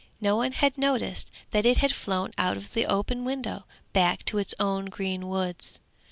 No one had noticed that it had flown out of the open window, back to its own green woods.